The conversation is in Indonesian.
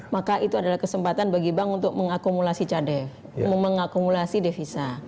maka itu adalah kesempatan bagi bank untuk mengakumulasi cade mengakumulasi devisa